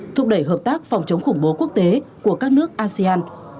thúc đẩy hợp tác phòng chống khủng bố quốc tế của các nước asean